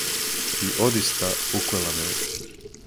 И одиста, уклела ме је.